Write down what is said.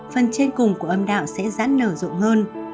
phần trên cùng của âm đạo sẽ rãn nở rộn hơn